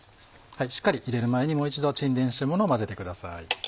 しっかり入れる前にもう一度沈殿してるものを混ぜてください。